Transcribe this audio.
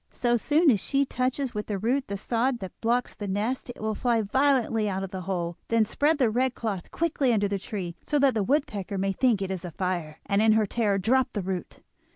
So soon as she touches with the root the sod that blocks the nest, it will fly violently out of the hole. Then spread the red cloth quickly under the tree, so that the woodpecker may think it is a fire, and in her terror drop the root.